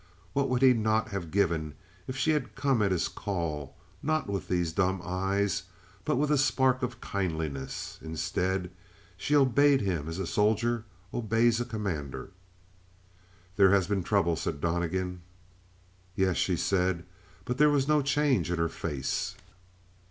What would he not have given if she had come at his call not with these dumb eyes, but with a spark of kindliness? Instead, she obeyed him as a soldier obeys a commander. "There has been trouble," said Donnegan. "Yes?" she said, but there was no change in her face.